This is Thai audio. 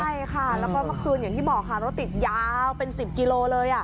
ใช่ค่ะแล้วก็เมื่อคืนอย่างที่บอกค่ะรถติดยาวเป็น๑๐กิโลเลย